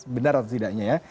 benar atau tidaknya ya